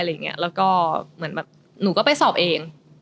เรื่องยากก็ไปสอบเอง